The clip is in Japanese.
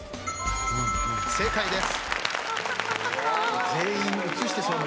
正解です。